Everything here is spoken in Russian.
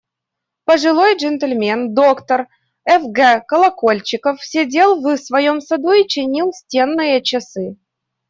Пожилой джентльмен, доктор Ф. Г. Колокольчиков, сидел в своем саду и чинил стенные часы.